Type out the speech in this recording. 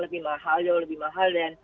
lebih mahal lebih mahal